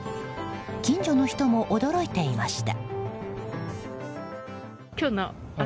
近所の人も驚いていました。